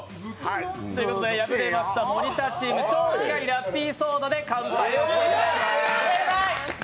敗れました森田チーム、超苦いラッピーソーダで乾杯をしていただきます。